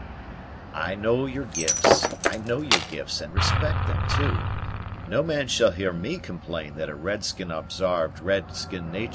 "I know your gifts, I know your gifts, and respect them too. No man shall hear me complain that a red skin obsarved red skin natur'.